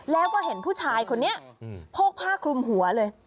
แล้วก็เห็นผู้ชายคนนี้โพกผ้าคลุมหัวเลย